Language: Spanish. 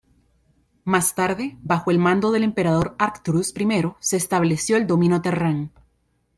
Más tarde, bajo el mando del emperador Arcturus I, se estableció el Dominio Terran.